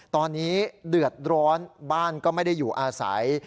ตอนนี้เดือดร้อนบ้านก็ไม่ได้อยู่อาศัย